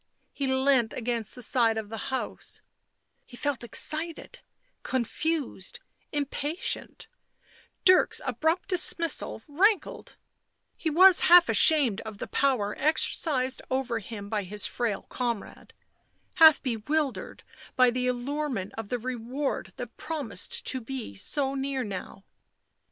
He leant against the side of the house; he felt excited, confused, impatient; Dirk's abrupt dismissal rankled, he was half ashamed of the power exercised over him by his frail comrade, half bewildered by the allure ment of the reward that promised to be so near now.